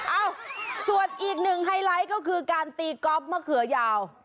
เอ้าส่วนอีกหนึ่งไฮไลท์ก็คือการตีก๊อฟมะเขือยาว